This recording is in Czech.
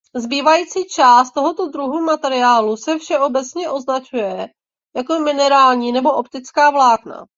Zbývající část tohoto druhu materiálu se všeobecně označuje jako minerální nebo optická vlákna.